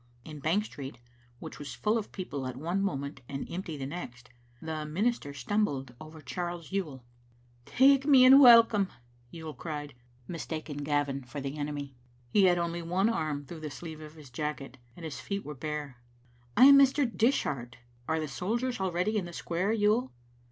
In Bank Street, which was full Digitized by VjOOQ IC S VBarUfte CbaQtet, 4B of people at one moment and empty the next, the min ister stumbled over old Charles Yuill. "Take me and welcome," Yuill cried, mistaking Gavin for the enemy. He had only one arm through the sleeve of his jacket, and his feet were bare. " I am Mr. Dishart. Are the soldiers already in the square, Yuill?"